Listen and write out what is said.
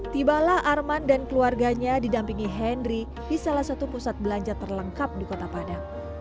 tibalah arman dan keluarganya didampingi henry di salah satu pusat belanja terlengkap di kota padang